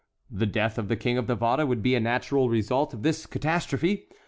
The death of the King of Navarre would be a natural result of this great catastrophe.